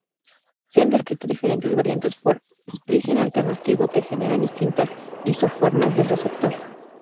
Se han descrito diferentes variantes por "splicing alternativo" que generan distintas isoformas del receptor.